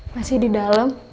masih di dalam